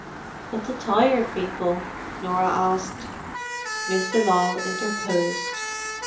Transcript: "But the Tired People?" Norah asked. Miss de Lisle interposed.